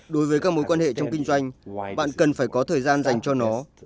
đối với các mối quan hệ trong kinh doanh bạn cần phải có thời gian dành cho nó